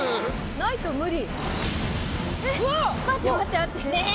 ないと無理。